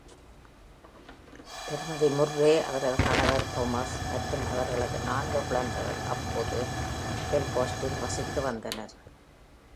திருமதி முர்ரே, அவரது கணவர் தாமஸ் மற்றும் அவர்களது நான்கு குழந்தைகள் அப்போது பெல்ஃபாஸ்டில் வசித்து வந்தனர்.